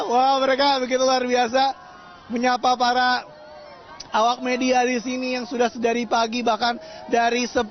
wah mereka begitu luar biasa menyapa para awak media di sini yang sudah dari pagi bahkan dari sepuluh